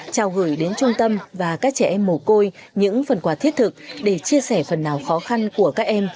trao gửi đến trung tâm và các trẻ em mồ côi những phần quà thiết thực để chia sẻ phần nào khó khăn của các em